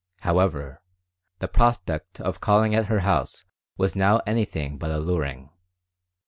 However, the prospect of calling at her house was now anything but alluring.